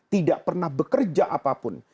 tidak pernah bekerja apapun